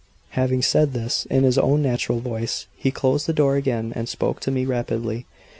Having said this, in his own natural voice, he closed the door again, and spoke to me rapidly.